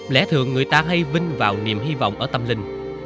lẽ thường người ta hay vinh vào niềm hy vọng ở tâm linh